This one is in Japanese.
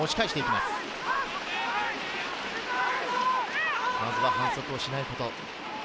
まずは反則をしないこと。